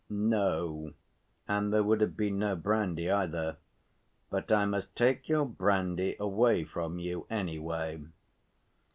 "No. And there would have been no brandy either. But I must take your brandy away from you, anyway."